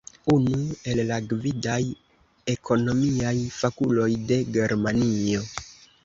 Unu el la gvidaj ekonomiaj fakuloj de Germanio.